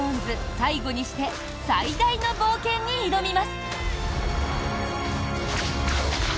最後にして最大の冒険に挑みます！